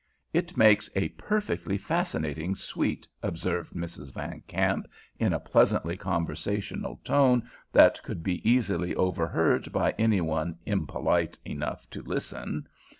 "It makes a perfectly fascinating suite," observed Mrs. Van Kamp, in a pleasantly conversational tone that could be easily overheard by anyone impolite enough to listen.